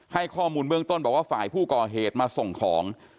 ให้ข้อมูลเบื้องต้นบอกว่าฝ่ายผู้ก่อเหตุมาส่งของ